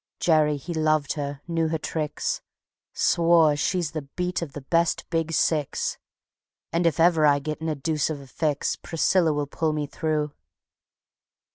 Jerry he loved her, knew her tricks; Swore: "She's the beat of the best big six, And if ever I get in a deuce of a fix Priscilla will pull me through."